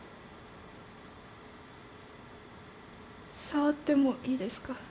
触ってもいいですか？